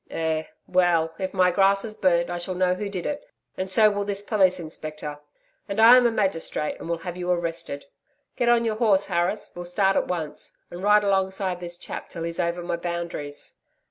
'Eh? Well, if my grass is burned, I shall know who did it, and so will this Police Inspector. And I am a magistrate, and will have you arrested. Get on your horse, Harris, we'll start at once, and ride alongside this chap till he's over my boundaries.'